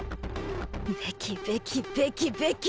「べきべきべきべき」